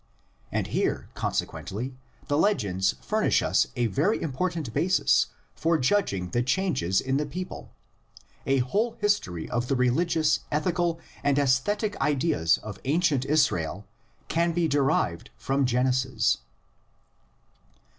And here, consequently, the legends furnish us a very important basis for judging of changes in the people; a whole history of the religious, ethical and aesthetic ideas of ancient Israel can be derived from Genesis.